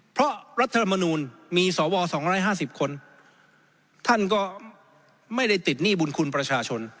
เพราะรัฐธรรมนูลมีสว๒๕๐คนท่านก็ไม่ได้ติดหนี้บุญคุณประชาชน